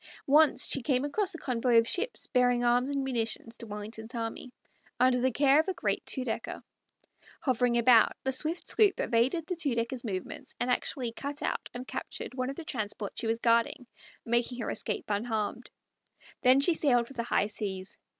Once she came across a convoy of ships bearing arms and munitions to Wellington's army, under the care of a great two decker. Hovering about, the swift sloop evaded the two decker's movements, and actually cut out and captured one of the transports she was guarding, making her escape unharmed. Then she sailed for the high seas.